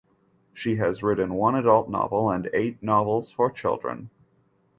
She has written one adult novel and eight novels for children.